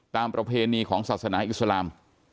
ประเพณีของศาสนาอิสลาม